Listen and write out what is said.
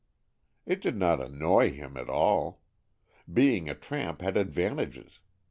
It did not annoy him at all. Being a tramp had advantages.